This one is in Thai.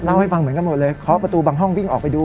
ให้ฟังเหมือนกันหมดเลยเคาะประตูบางห้องวิ่งออกไปดู